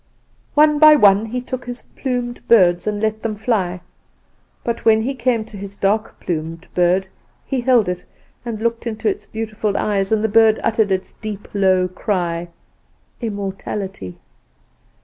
"One by one he took his plumed birds and let them fly. But when he came to his dark plumed bird he held it, and looked into its beautiful eyes, and the bird uttered its low, deep cry 'Immortality!